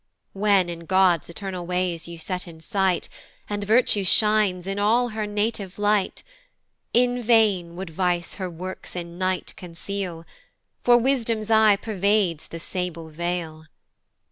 When God's eternal ways you set in sight, And Virtue shines in all her native light, In vain would Vice her works in night conceal, For Wisdom's eye pervades the sable veil.